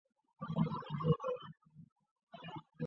束尾草属是禾本科下的一个属。